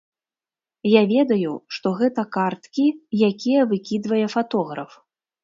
Я ведаю, што гэта карткі, якія выкідвае фатограф.